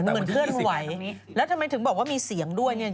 เหมือนเคลื่อนไหวแล้วทำไมถึงบอกว่ามีเสียงด้วยเนี่ย